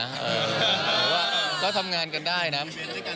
แต่ว่าก็ทำงานกันได้นะ